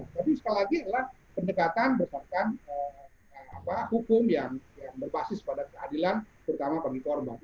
tapi sekali lagi adalah pendekatan berdasarkan hukum yang berbasis pada keadilan terutama bagi korban